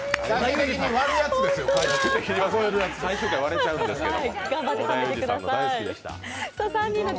最終回割れちゃうんですけど。